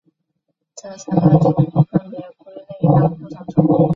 这三个头骨分别归类到不同种。